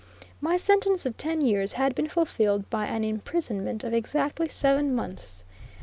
My sentence of ten years had been fulfilled by an imprisonment of exactly seven months.